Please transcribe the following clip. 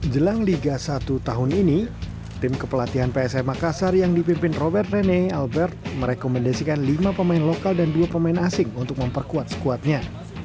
jelang liga satu tahun ini tim kepelatihan psm makassar yang dipimpin robert rene albert merekomendasikan lima pemain lokal dan dua pemain asing untuk memperkuat skuadnya